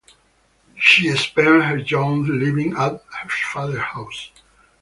She spent her youth living at her father's house.